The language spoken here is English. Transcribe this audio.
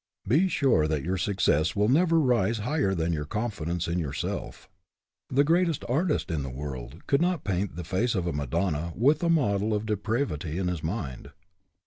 Be sure that your success will never rise higher than your confidence in yourself. The greatest artist in the world could not paint the face of a madonna with a model of depravity in his mind.